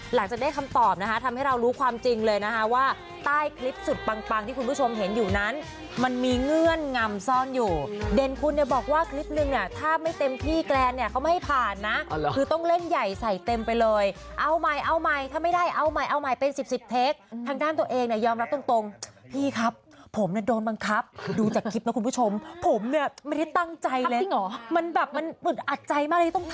หลังจากได้คำตอบนะฮะทำให้เรารู้ความจริงเลยนะฮะว่าใต้คลิปสุดปังที่คุณผู้ชมเห็นอยู่นั้นมันมีเงื่อนงำซ่อนอยู่เด่นคุณเนี่ยบอกว่าคลิปนึงเนี่ยถ้าไม่เต็มที่แกรนเนี่ยเขาไม่ให้ผ่านนะคือต้องเล่นใหญ่ใส่เต็มไปเลยเอาใหม่เอาใหม่ถ้าไม่ได้เอาใหม่เอาใหม่เป็นสิบสิบเทคทางด้านตัวเองเนี่ยยอมรับต